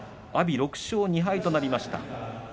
阿炎は６勝２敗となりました。